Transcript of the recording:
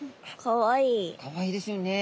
かわいいですよね。